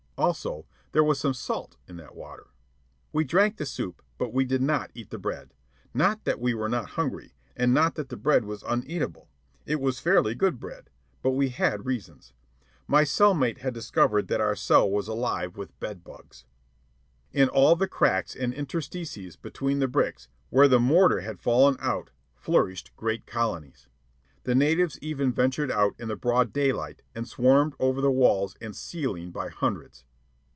Also, there was some salt in that water. We drank the soup, but we did not eat the bread. Not that we were not hungry, and not that the bread was uneatable. It was fairly good bread. But we had reasons. My cell mate had discovered that our cell was alive with bed bugs. In all the cracks and interstices between the bricks where the mortar had fallen out flourished great colonies. The natives even ventured out in the broad daylight and swarmed over the walls and ceiling by hundreds.